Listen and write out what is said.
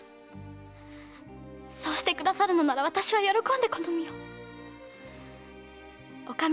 〔そうしてくださるのなら私は喜んでこの身を〕